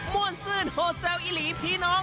วนซื่นโหดแซวอีหลีพี่น้อง